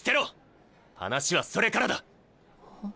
話はそれからだ。は？